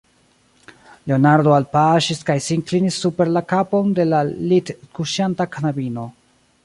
Leonardo alpaŝis kaj sin klinis super la kapon de la litkuŝanta knabino.